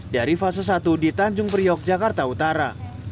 dari fase satu di tanjung priok jakarta utara